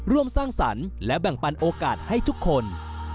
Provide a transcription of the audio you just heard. ร่วมสร้างสรรค์และแบ่งปันโอกาสให้ทุกคน